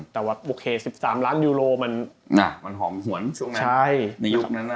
แต่ว่า๑๓ล้านยูโรมันสะอายกระดูกในยุคนั้น